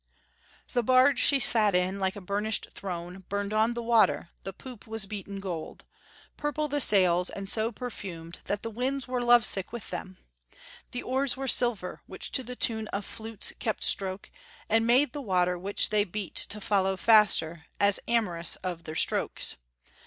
"The barge she sat in, like a burnish'd throne, Burn'd on the water; the poop was beaten gold; Purple the sails, and so perfumed that The winds were love sick with them: the oars were silver, Which to the tune of flutes kept stroke, and made The water, which they beat, to follow faster, As amorous of their strokes.